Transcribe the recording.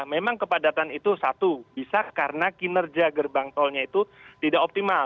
memang kepadatan itu satu bisa karena kinerja gerbang tolnya itu tidak optimal